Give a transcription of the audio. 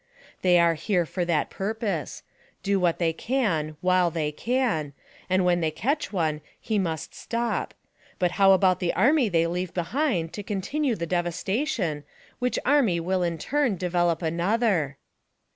They are here for that purpose. Do what they can, while they can ; and when they catch one, he must stop ; but how about the army they leave behind to continue the devastation, which army will in turn develop another.